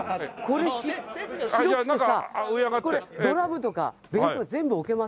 これ広くてさこれドラムとかベースとか全部置けますね。